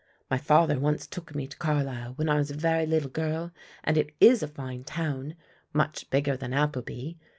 My father once took me to Carlisle when I was a very little girl and it is a fine town, much bigger than Appleby.